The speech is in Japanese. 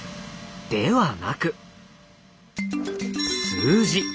ではなく数字。